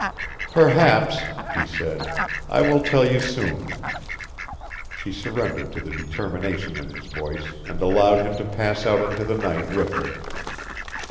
"Perhaps," he said. "I will tell you soon." She surrendered to the determination in his voice and allowed him to pass out into the night with her.